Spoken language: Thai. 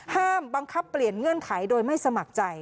ห้ามบังคับเปลี่ยนเงื่อนไขโดยไม่สมัครใจ